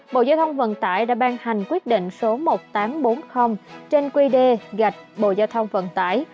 bộ giao thông vận tải đã ban hành quyết định số một nghìn tám trăm bốn mươi trên qd gạch bộ giao thông vận tải